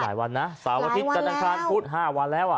หลายวันนะสาวอาทิตย์ถ้าตังคลานบุ๊กห้าวันแล้วอ่ะ